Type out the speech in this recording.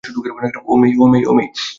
ওহ, মেই।